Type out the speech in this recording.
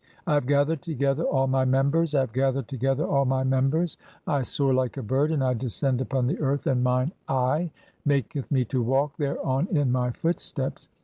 I have gathered together [all "my members], I have gathered together [all my members]. I "soar like a bird (47) and I descend upon the earth, and mine "eye maketh me to walk thereon in my footsteps.